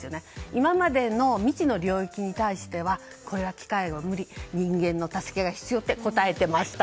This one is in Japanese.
今までの未知の領域に対してはこれは機械は無理人間の助けが必要と答えていました。